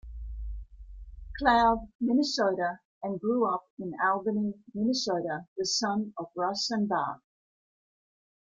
Cloud, Minnesota and grew up in Albany, Minnesota, the son of Russ and Barb.